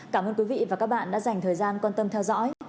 cảm ơn quý vị và các bạn đã dành thời gian quan tâm theo dõi